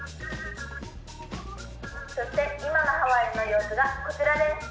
そして今のハワイの様子がこちらです。